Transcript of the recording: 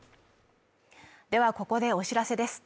ではここでお知らせです。